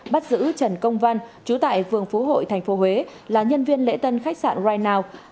bắt giữ trần công văn trú tại vườn phú hội tp huế là nhân viên lễ tân khách sạn rightnow